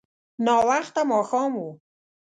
ناوخته ماښام و.